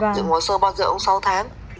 dựng hồ sơ bao giờ cũng sáu tháng